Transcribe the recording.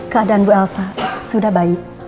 keadaan bu elsa sudah baik